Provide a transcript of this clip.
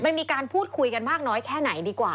มันมีการพูดคุยกันมากน้อยแค่ไหนดีกว่า